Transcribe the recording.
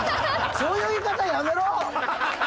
そういう言い方やめろ！